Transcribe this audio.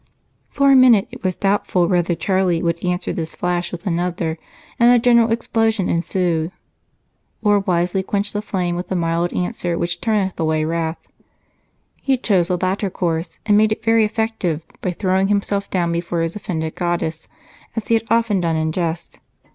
For a minute it was doubtful whether Charlie would answer this flash with another, and a general explosion ensue, or wisely quench the flame with the mild answer which turneth away wrath. He chose the latter course and made it very effective by throwing himself down before his offended goddess, as he had often done in jest.